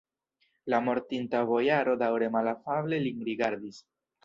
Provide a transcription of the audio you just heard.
La mortinta bojaro daŭre malafable lin rigardis.